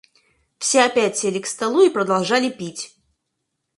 Все опять сели к столу и продолжали пить.